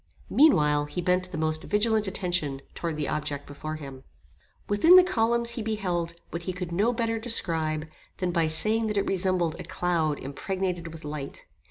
Meanwhile he bent the most vigilant attention towards the object before him. Within the columns he beheld what he could no better describe, than by saying that it resembled a cloud impregnated with light.